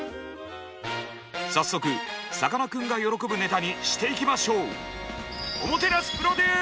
早速さかなクンが喜ぶネタにしていきましょう！